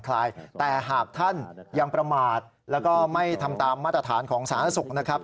การส่งมาตรฐานของสาธารณสุขนะครับ